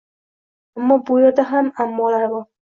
Ammo bu yerda ham «ammo»lar bor...